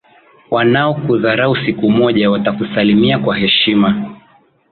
Wanaokudharau siku moja watakusalimia kwa heshima.